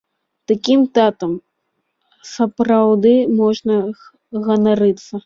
Такім татам сапраўды можна ганарыцца!